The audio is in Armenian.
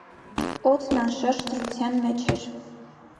Օդն անշարժ դրաթյան մեջ էր: